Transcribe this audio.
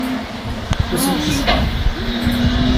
Wir sind gespannt.